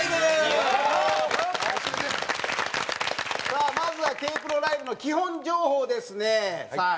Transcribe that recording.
さあまずはＫ−ＰＲＯライブの基本情報をですねさあ